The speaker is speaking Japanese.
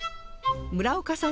村岡さん